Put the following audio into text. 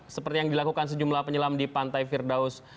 seperti yang dilakukan sejumlah penyelam di pantai firdaus